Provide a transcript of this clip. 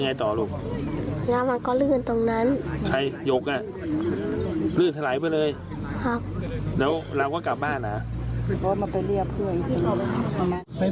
อยู่ตรงนี้